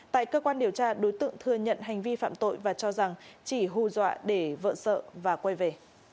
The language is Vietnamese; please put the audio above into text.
tại cơ quan điều tra đối tượng thừa nhận hành vi phạm tội và cho rằng chỉ hù dọa để vợ sợ và quay về